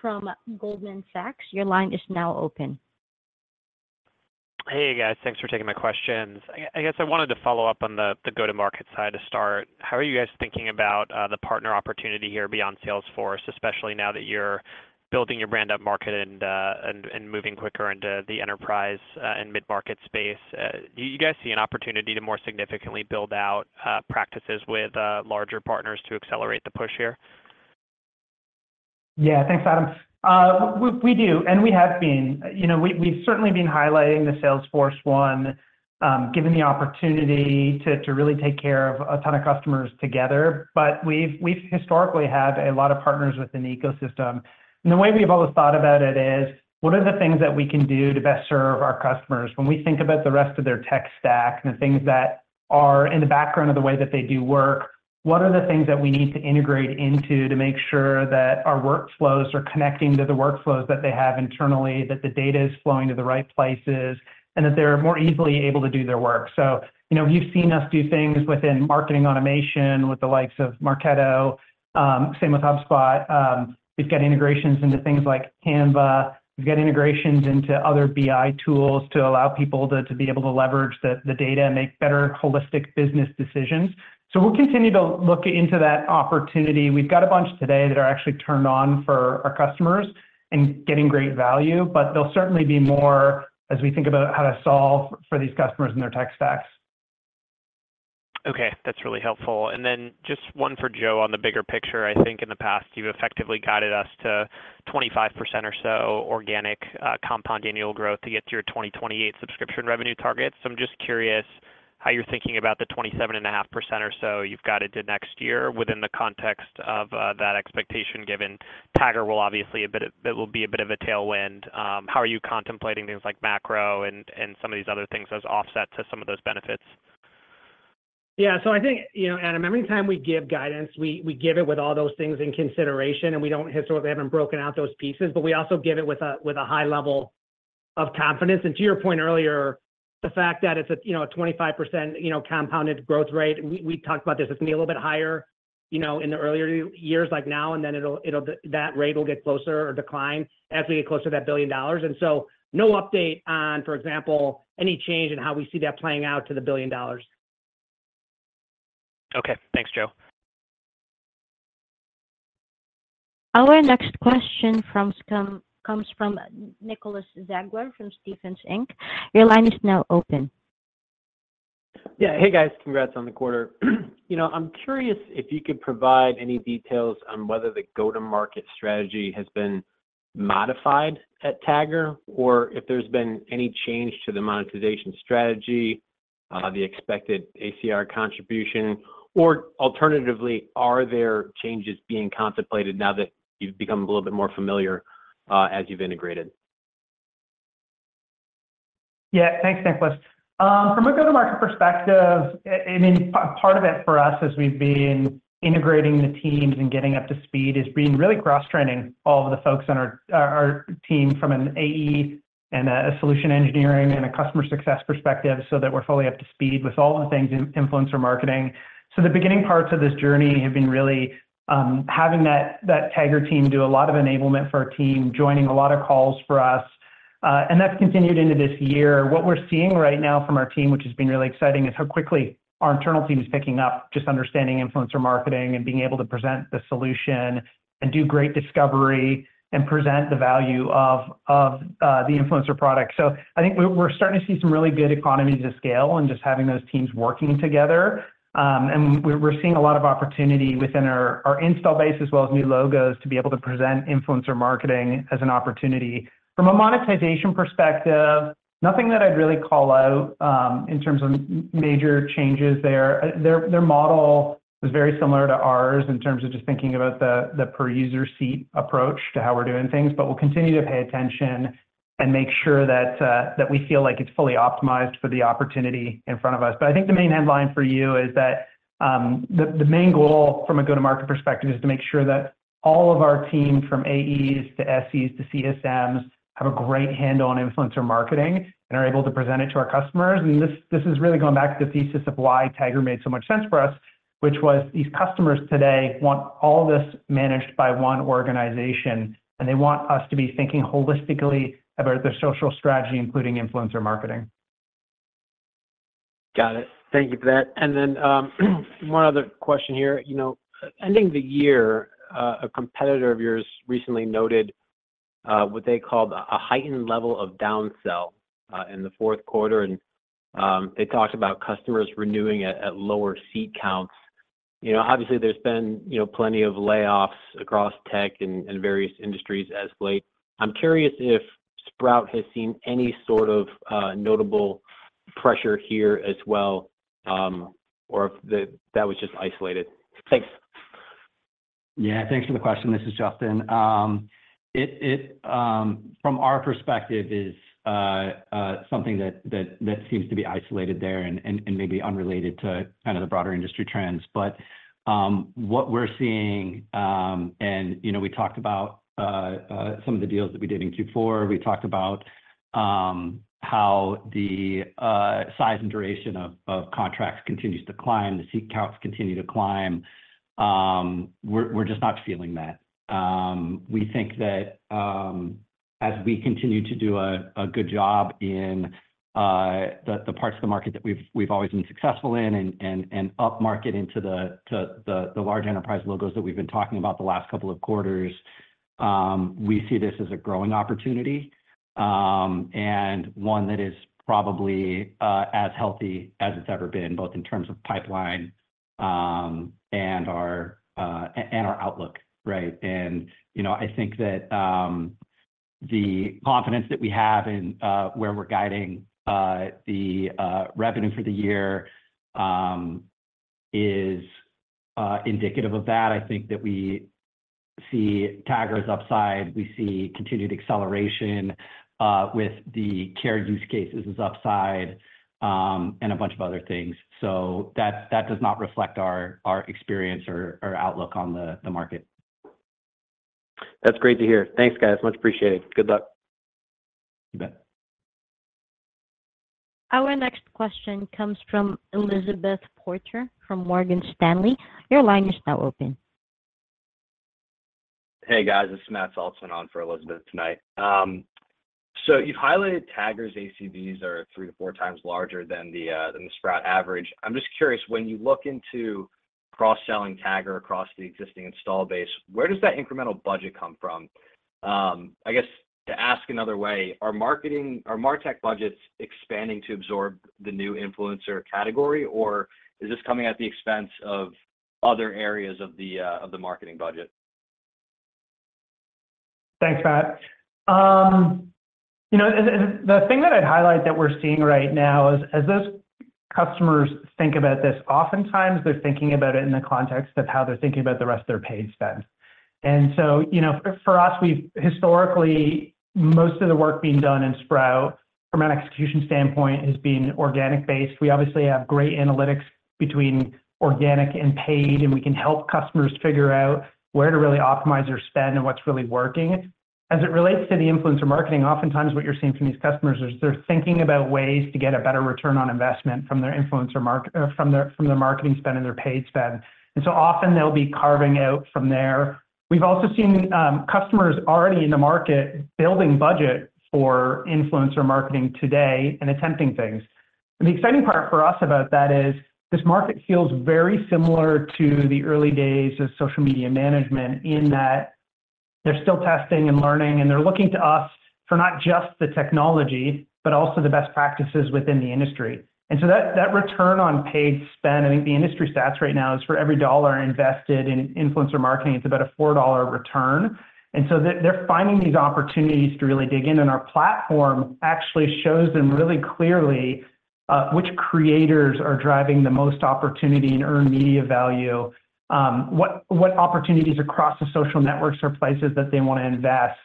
from Goldman Sachs. Your line is now open. Hey, guys. Thanks for taking my questions. I guess I wanted to follow up on the go-to-market side to start. How are you guys thinking about the partner opportunity here beyond Salesforce, especially now that you're building your brand upmarket and moving quicker into the enterprise and mid-market space? Do you guys see an opportunity to more significantly build out practices with larger partners to accelerate the push here? Yeah. Thanks, Adam. We do. And we have been. We've certainly been highlighting the Salesforce one, given the opportunity to really take care of a ton of customers together. But we've historically had a lot of partners within the ecosystem. And the way we've always thought about it is, what are the things that we can do to best serve our customers? When we think about the rest of their tech stack and the things that are in the background of the way that they do work, what are the things that we need to integrate into to make sure that our workflows are connecting to the workflows that they have internally, that the data is flowing to the right places, and that they're more easily able to do their work? So you've seen us do things within marketing automation with the likes of Marketo. Same with HubSpot. We've got integrations into things like Canva. We've got integrations into other BI tools to allow people to be able to leverage the data and make better holistic business decisions. So we'll continue to look into that opportunity. We've got a bunch today that are actually turned on for our customers and getting great value, but they'll certainly be more as we think about how to solve for these customers and their tech stacks. Okay. That's really helpful. And then just one for Joe on the bigger picture. I think in the past, you've effectively guided us to 25% or so organic compound annual growth to get to your 2028 subscription revenue target. So I'm just curious how you're thinking about the 27.5% or so you've got it to next year within the context of that expectation, given Tagger will obviously be a bit of a tailwind. How are you contemplating things like macro and some of these other things as offset to some of those benefits? Yeah. So I think, Adam, every time we give guidance, we give it with all those things in consideration, and we don't historically haven't broken out those pieces. But we also give it with a high level of confidence. And to your point earlier, the fact that it's a 25% compounded growth rate, we talked about this. It's going to be a little bit higher in the earlier years like now, and then that rate will get closer or decline as we get closer to that $1 billion. And so no update on, for example, any change in how we see that playing out to the $1 billion. Okay. Thanks, Joe. Our next question comes from Nicholas Zangler from Stephens Inc. Your line is now open. Yeah. Hey, guys. Congrats on the quarter. I'm curious if you could provide any details on whether the go-to-market strategy has been modified at Tagger or if there's been any change to the monetization strategy, the expected ACR contribution, or alternatively, are there changes being contemplated now that you've become a little bit more familiar as you've integrated? Yeah. Thanks, Nicholas. From a go-to-market perspective, I mean, part of it for us as we've been integrating the teams and getting up to speed is being really cross-training all of the folks on our team from an AE and a solution engineering and a customer success perspective so that we're fully up to speed with all of the things influencer marketing. So the beginning parts of this journey have been really having that Tagger team do a lot of enablement for our team, joining a lot of calls for us. And that's continued into this year. What we're seeing right now from our team, which has been really exciting, is how quickly our internal team is picking up just understanding influencer marketing and being able to present the solution and do great discovery and present the value of the influencer product. So I think we're starting to see some really good economies of scale and just having those teams working together. And we're seeing a lot of opportunity within our install base as well as new logos to be able to present influencer marketing as an opportunity. From a monetization perspective, nothing that I'd really call out in terms of major changes there. Their model was very similar to ours in terms of just thinking about the per-user seat approach to how we're doing things, but we'll continue to pay attention and make sure that we feel like it's fully optimized for the opportunity in front of us. But I think the main headline for you is that the main goal from a go-to-market perspective is to make sure that all of our team from AEs to SEs to CSMs have a great handle on influencer marketing and are able to present it to our customers. And this is really going back to the thesis of why Tagger made so much sense for us, which was these customers today want all this managed by one organization, and they want us to be thinking holistically about their social strategy, including influencer marketing. Got it. Thank you for that. Then one other question here. Ending the year, a competitor of yours recently noted what they called a heightened level of downsell in the fourth quarter, and they talked about customers renewing at lower seat counts. Obviously, there's been plenty of layoffs across tech and various industries as of late. I'm curious if Sprout has seen any sort of notable pressure here as well or if that was just isolated. Thanks. Yeah. Thanks for the question. This is Justyn. From our perspective, it is something that seems to be isolated there and maybe unrelated to kind of the broader industry trends. But what we're seeing, and we talked about some of the deals that we did in Q4. We talked about how the size and duration of contracts continues to climb, the seat counts continue to climb. We're just not feeling that. We think that as we continue to do a good job in the parts of the market that we've always been successful in and upmarket into the large enterprise logos that we've been talking about the last couple of quarters, we see this as a growing opportunity and one that is probably as healthy as it's ever been, both in terms of pipeline and our outlook, right? I think that the confidence that we have in where we're guiding the revenue for the year is indicative of that. I think that we see Tagger is upside. We see continued acceleration with the care use cases is upside and a bunch of other things. So that does not reflect our experience or outlook on the market. That's great to hear. Thanks, guys. Much appreciated. Good luck. You bet. Our next question comes from Elizabeth Porter from Morgan Stanley. Your line is now open. Hey, guys. It's Matt Saltzman on for Elizabeth tonight. So you've highlighted Tagger's ACVs are 3-4x larger than the Sprout average. I'm just curious, when you look into cross-selling Tagger across the existing install base, where does that incremental budget come from? I guess to ask another way, are MarTech budgets expanding to absorb the new influencer category, or is this coming at the expense of other areas of the marketing budget? Thanks, Matt. The thing that I'd highlight that we're seeing right now is as those customers think about this, oftentimes, they're thinking about it in the context of how they're thinking about the rest of their paid spend. And so for us, we've historically, most of the work being done in Sprout, from an execution standpoint, has been organic-based. We obviously have great analytics between organic and paid, and we can help customers figure out where to really optimize their spend and what's really working. As it relates to the influencer marketing, oftentimes, what you're seeing from these customers is they're thinking about ways to get a better return on investment from their influencer from their marketing spend and their paid spend. And so often, they'll be carving out from there. We've also seen customers already in the market building budget for influencer marketing today and attempting things. The exciting part for us about that is this market feels very similar to the early days of social media management in that they're still testing and learning, and they're looking to us for not just the technology, but also the best practices within the industry. And so that return on paid spend, I think the industry stats right now is for every $1 invested in influencer marketing, it's about a $4 return. And so they're finding these opportunities to really dig in. And our platform actually shows them really clearly which creators are driving the most opportunity and earned media value, what opportunities across the social networks or places that they want to invest,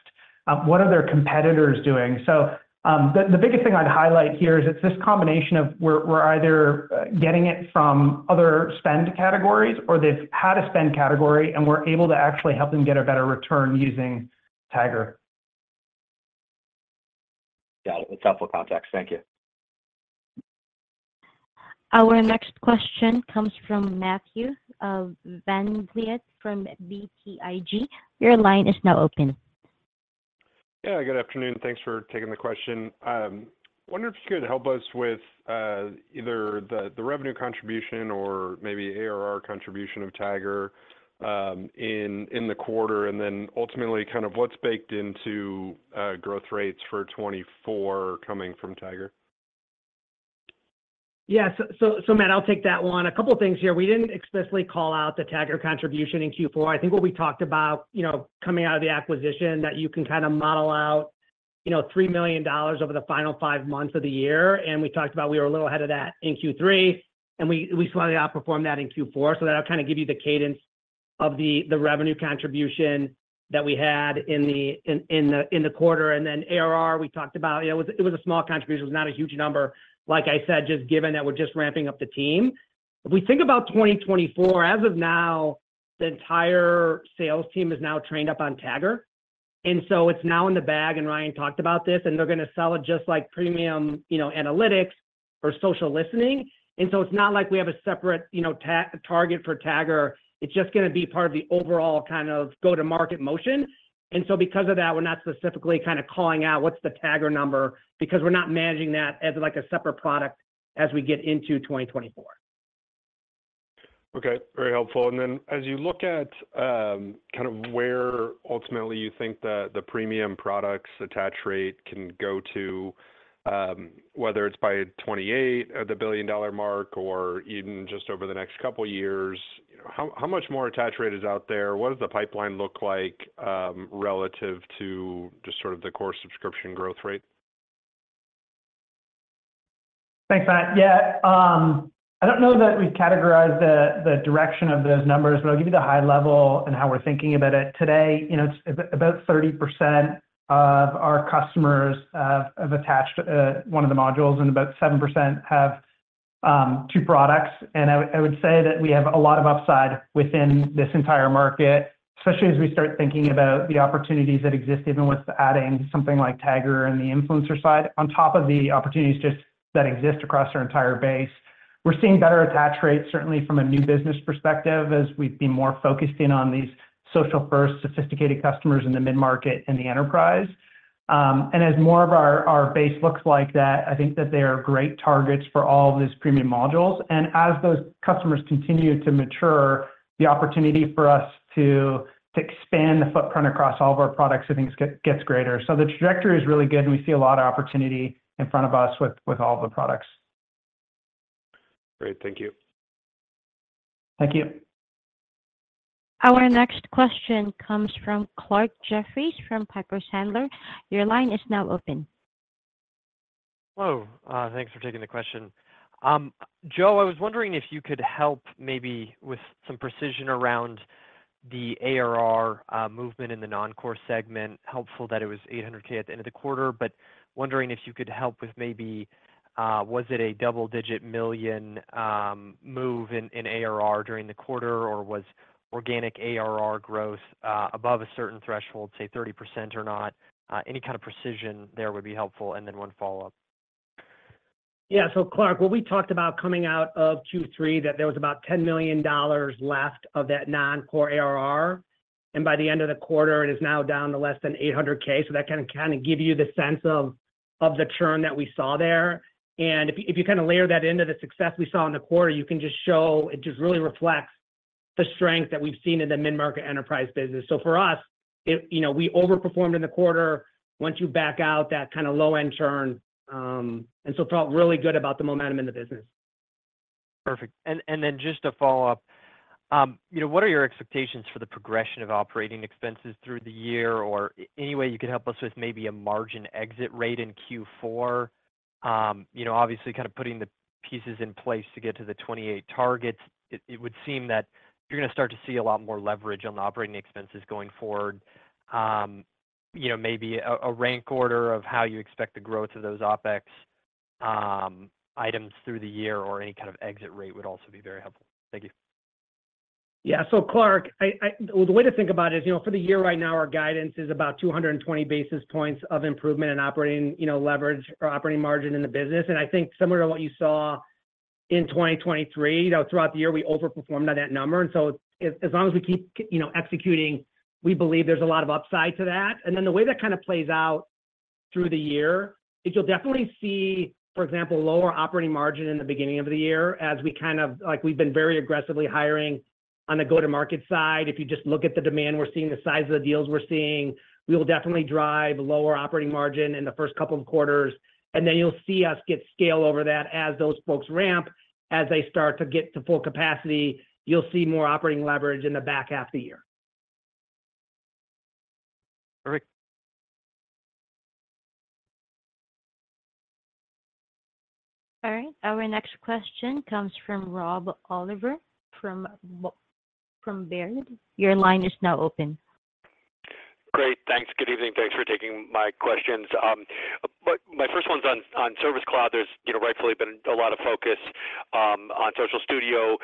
what are their competitors doing. So the biggest thing I'd highlight here is it's this combination of we're either getting it from other spend categories or they've had a spend category, and we're able to actually help them get a better return using Tagger. Got it. That's helpful context. Thank you. Our next question comes from Matthew VanVliet from BTIG. Your line is now open. Yeah. Good afternoon. Thanks for taking the question. I wonder if you could help us with either the revenue contribution or maybe ARR contribution of Tagger in the quarter, and then ultimately, kind of what's baked into growth rates for 2024 coming from Tagger? Yeah. So, Matt, I'll take that one. A couple of things here. We didn't explicitly call out the Tagger contribution in Q4. I think what we talked about coming out of the acquisition that you can kind of model out $3 million over the final five months of the year. And we talked about we were a little ahead of that in Q3, and we slightly outperformed that in Q4. So that'll kind of give you the cadence of the revenue contribution that we had in the quarter. And then ARR, we talked about it was a small contribution. It was not a huge number. Like I said, just given that we're just ramping up the team. If we think about 2024, as of now, the entire sales team is now trained up on Tagger. And so it's now in the bag. And Ryan talked about this. They're going to sell it just like premium analytics or social listening. So it's not like we have a separate target for Tagger. It's just going to be part of the overall kind of go-to-market motion. Because of that, we're not specifically kind of calling out what's the Tagger number because we're not managing that as a separate product as we get into 2024. Okay. Very helpful. Then as you look at kind of where, ultimately, you think the premium products attach rate can go to, whether it's by 2028, the $1 billion mark, or even just over the next couple of years, how much more attach rate is out there? What does the pipeline look like relative to just sort of the core subscription growth rate? Thanks, Matt. Yeah. I don't know that we've categorized the direction of those numbers, but I'll give you the high level and how we're thinking about it today. It's about 30% of our customers have attached one of the modules, and about 7% have two products. And I would say that we have a lot of upside within this entire market, especially as we start thinking about the opportunities that exist even with adding something like Tagger and the influencer side on top of the opportunities just that exist across our entire base. We're seeing better attach rates, certainly from a new business perspective, as we've been more focused in on these social-first sophisticated customers in the mid-market and the enterprise. And as more of our base looks like that, I think that they are great targets for all of these premium modules. As those customers continue to mature, the opportunity for us to expand the footprint across all of our products, I think, gets greater. The trajectory is really good, and we see a lot of opportunity in front of us with all of the products. Great. Thank you. Thank you. Our next question comes from Clarke Jeffries from Piper Sandler. Your line is now open. Hello. Thanks for taking the question. Joe, I was wondering if you could help maybe with some precision around the ARR movement in the non-core segment. Helpful that it was $800,000 at the end of the quarter, but wondering if you could help with maybe was it a double-digit million move in ARR during the quarter, or was organic ARR growth above a certain threshold, say 30% or not? Any kind of precision there would be helpful. And then one follow-up. Yeah. So, Clark, what we talked about coming out of Q3, that there was about $10 million left of that non-core ARR. And by the end of the quarter, it is now down to less than $800,000. So that can kind of give you the sense of the churn that we saw there. And if you kind of layer that into the success we saw in the quarter, you can just show it just really reflects the strength that we've seen in the mid-market enterprise business. So for us, we overperformed in the quarter. Once you back out, that kind of low-end churn. And so felt really good about the momentum in the business. Perfect. Then just a follow-up. What are your expectations for the progression of operating expenses through the year or any way you could help us with maybe a margin exit rate in Q4? Obviously, kind of putting the pieces in place to get to the 2028 targets, it would seem that you're going to start to see a lot more leverage on the operating expenses going forward. Maybe a rank order of how you expect the growth of those OpEx items through the year or any kind of exit rate would also be very helpful. Thank you. Yeah. So, Clark, the way to think about it is for the year right now, our guidance is about 220 basis points of improvement in operating leverage or operating margin in the business. And I think similar to what you saw in 2023, throughout the year, we overperformed on that number. And so as long as we keep executing, we believe there's a lot of upside to that. And then the way that kind of plays out through the year, you'll definitely see, for example, lower operating margin in the beginning of the year as we kind of we've been very aggressively hiring on the go-to-market side. If you just look at the demand we're seeing, the size of the deals we're seeing, we will definitely drive lower operating margin in the first couple of quarters. And then you'll see us get scale over that as those folks ramp. As they start to get to full capacity, you'll see more operating leverage in the back half of the year. Perfect. All right. Our next question comes from Rob Oliver from Baird. Your line is now open. Great. Thanks. Good evening. Thanks for taking my questions. My first one's on Service Cloud. There's rightfully been a lot of focus on Social Studio,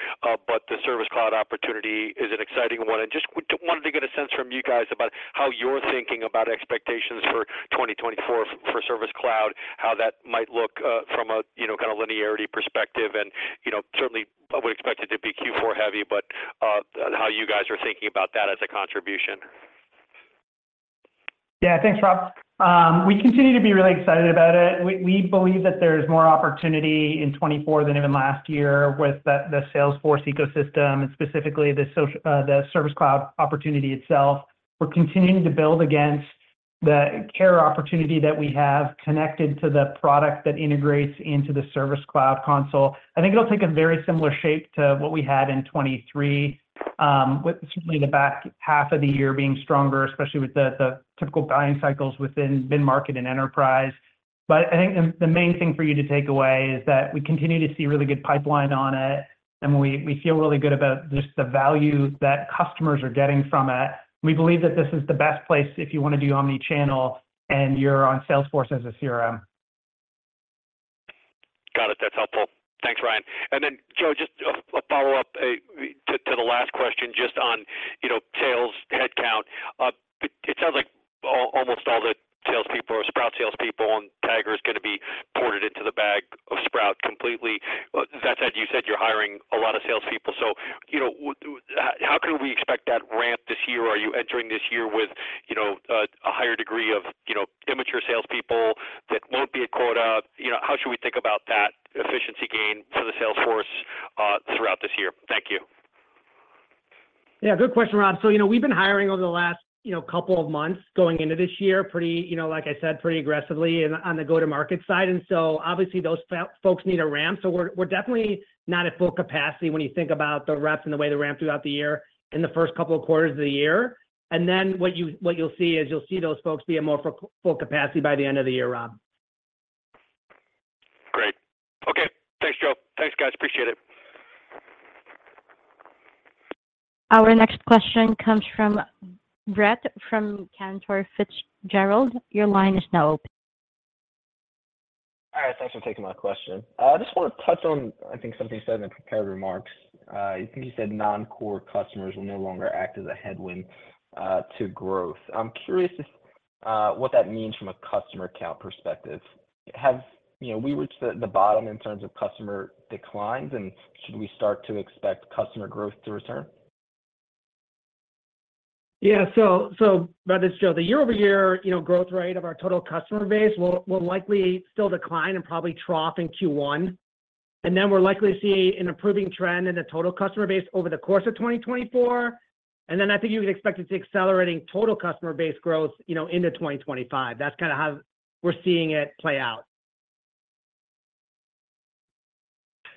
but the Service Cloud opportunity is an exciting one. And just wanted to get a sense from you guys about how you're thinking about expectations for 2024 for Service Cloud, how that might look from a kind of linearity perspective. And certainly, I would expect it to be Q4 heavy, but how you guys are thinking about that as a contribution. Yeah. Thanks, Rob. We continue to be really excited about it. We believe that there's more opportunity in 2024 than even last year with the Salesforce ecosystem and specifically the Service Cloud opportunity itself. We're continuing to build against the care opportunity that we have connected to the product that integrates into the Service Cloud console. I think it'll take a very similar shape to what we had in 2023, with certainly the back half of the year being stronger, especially with the typical buying cycles within mid-market and enterprise. But I think the main thing for you to take away is that we continue to see really good pipeline on it, and we feel really good about just the value that customers are getting from it. We believe that this is the best place if you want to do omnichannel and you're on Salesforce as a CRM. Got it. That's helpful. Thanks, Ryan. And then, Joe, just a follow-up to the last question just on sales headcount. It sounds like almost all the salespeople or Sprout salespeople on Tagger is going to be ported into the back of Sprout completely. That said, you said you're hiring a lot of salespeople. So how can we expect that ramp this year? Are you entering this year with a higher degree of immature salespeople that won't be at quota? How should we think about that efficiency gain for the sales force throughout this year? Thank you. Yeah. Good question, Rob. So we've been hiring over the last couple of months going into this year, like I said, pretty aggressively on the go-to-market side. And so obviously, those folks need a ramp. So we're definitely not at full capacity when you think about the reps and the way they ramp throughout the year in the first couple of quarters of the year. And then what you'll see is you'll see those folks be at more full capacity by the end of the year, Rob. Great. Okay. Thanks, Joe. Thanks, guys. Appreciate it. Our next question comes from Brett from Cantor Fitzgerald. Your line is now open. All right. Thanks for taking my question. I just want to touch on, I think, something you said in the prepared remarks. I think you said non-core customers will no longer act as a headwind to growth. I'm curious what that means from a customer account perspective. We reached the bottom in terms of customer declines, and should we start to expect customer growth to return? Yeah. So, Brett. So, the year-over-year growth rate of our total customer base will likely still decline and probably trough in Q1. We're likely to see an improving trend in the total customer base over the course of 2024. Then I think you can expect it to be accelerating total customer base growth into 2025. That's kind of how we're seeing it play out.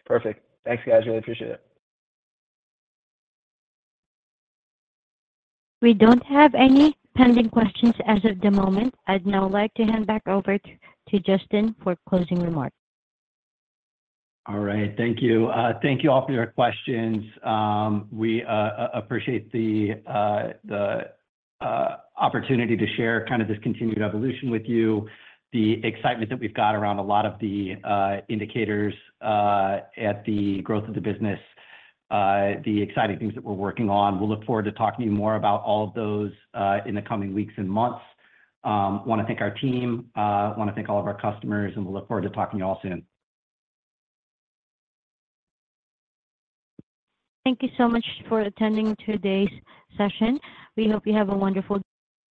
Perfect. Thanks, guys. Really appreciate it. We don't have any pending questions as of the moment. I'd now like to hand back over to Justyn for closing remarks. All right. Thank you. Thank you all for your questions. We appreciate the opportunity to share kind of this continued evolution with you, the excitement that we've got around a lot of the indicators at the growth of the business, the exciting things that we're working on. We'll look forward to talking to you more about all of those in the coming weeks and months. Want to thank our team. Want to thank all of our customers. We'll look forward to talking to you all soon. Thank you so much for attending today's session. We hope you have a wonderful.